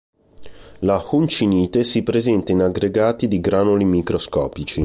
L'hunchunite si presenta in aggregati di granuli microscopici.